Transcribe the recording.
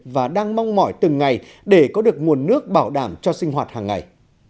và đang mong mỏi từng ngày để có được nguồn nước bảo đảm cho sinh hoạt hàng ngày